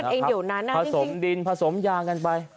ซ่อมกันเองเดียวนะที่นี้ผสมดินผสมยางกันไป